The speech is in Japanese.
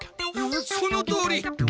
そのとおり。